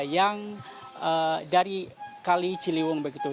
yang dari kali ciliwung begitu